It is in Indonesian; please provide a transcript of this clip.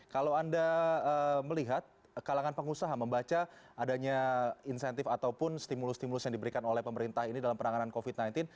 kalau anda melihat kalangan pengusaha membaca adanya insentif ataupun stimulus stimulus yang diberikan oleh pemerintah ini dalam penanganan covid sembilan belas